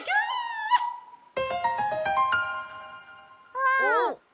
あっ。